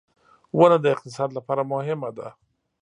• ونه د اقتصاد لپاره مهمه ده.